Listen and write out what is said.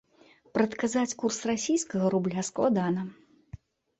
Прадказаць курс расійскага рубля складана.